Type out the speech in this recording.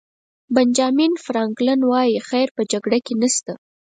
بنجامین فرانکلن وایي خیر په جګړه کې نشته.